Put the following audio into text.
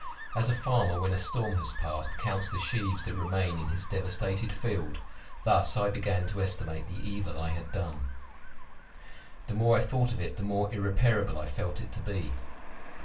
As a farmer, when the storm has passed, counts the sheaves that remain in his devastated field, thus I began to estimate the evil I had done. The more I thought of it, the more irreparable I felt it to be.